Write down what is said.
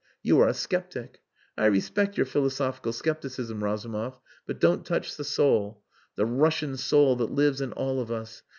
You are a sceptic. I respect your philosophical scepticism, Razumov, but don't touch the soul. The Russian soul that lives in all of us.